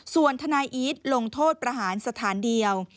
ส่วนทนายอีทลงโทษประหารสถานเดียว